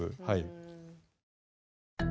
はい。